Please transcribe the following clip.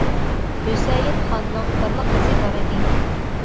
ھۈسەيىن خاننىڭ بىرلا قىزى بار ئىدى.